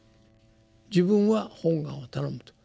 自分は本願をたのむと。